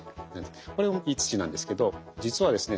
これもいい土なんですけど実はですね